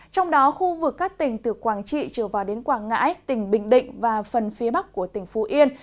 trong đó khu vực các tỉnh từ quảng trị trở vào đến quảng ngãi tỉnh bình định và phần phía bắc của tỉnh phú yên